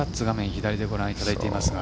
左でご覧いただいていますが。